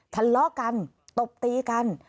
ทัลลอกรรมกันตบตีกัน